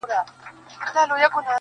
تر ماښام پوري یې هیڅ نه وه خوړلي -